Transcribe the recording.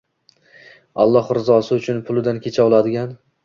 Alloh rizosi uchun pulidan kecha oladigan